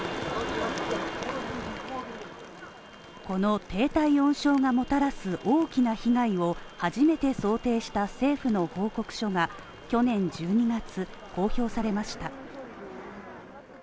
この低体温症がもたらす、大きな被害を初めて想定した政府の報告書が去年１２月公表されました。